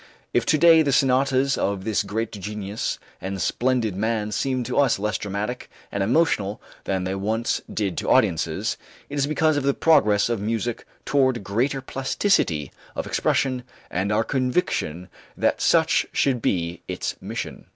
If to day the sonatas of this great genius and splendid man seem to us less dramatic and emotional than they once did to audiences, it is because of the progress of music toward greater plasticity of expression and our conviction that such should be its mission.